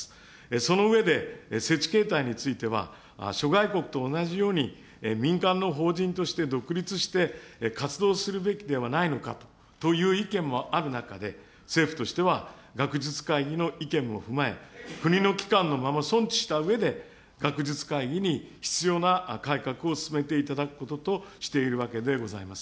その上で、設置形態については、諸外国と同じように、民間の法人として独立して活動するべきではないのかという意見もある中で、政府としては学術会議の意見も踏まえ、国の機関の名を存置したうえで、学術会議に必要な改革を進めていただくこととしているわけでございます。